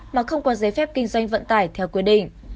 mà không có giấy phép kinh doanh vận tải theo quy định